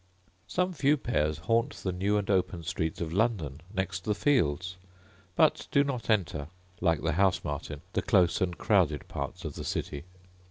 Some few pairs haunt the new and open streets of London next the fields, but do not enter, like the house martin, the close and crowded parts of the city.